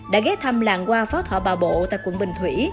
đã ghé thăm làng hoa phó thọ bà bộ tại quận bình thủy